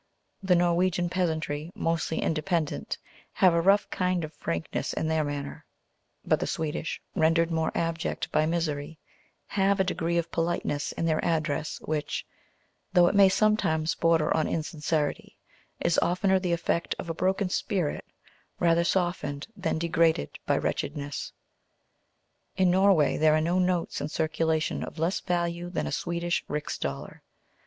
The Norwegian peasantry, mostly independent, have a rough kind of frankness in their manner; but the Swedish, rendered more abject by misery, have a degree of politeness in their address which, though it may sometimes border on insincerity, is oftener the effect of a broken spirit, rather softened than degraded by wretchedness. In Norway there are no notes in circulation of less value than a Swedish rix dollar.